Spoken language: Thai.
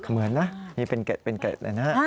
เหมือนนะนี่เป็นเกร็ดเลยนะ